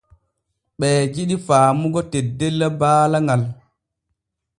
Ɓee jidi faamugo teddella baala ŋal.